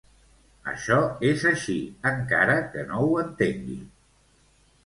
Això és així, encara que no ho entengui.